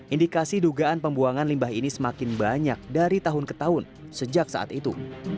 indikasi dugaan pembuangan limbah ini semakin banyak dari tahun ke tahun sejak saat itu